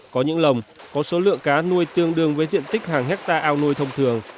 có những lồng có số lượng cá nuôi tương đương với diện tích hàng hectare ao nuôi thông thường